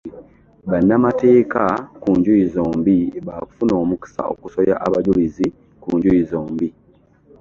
Bannamateeka okuva ku njuyi zombi ba kufuna omukisa okusoya abajulizi ku njuyi zombi